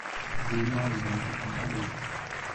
Eu me ausento com a cabeça.